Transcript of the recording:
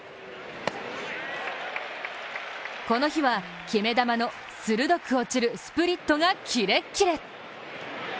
この日は、決め球の鋭く落ちるスプリットがキレッキレ。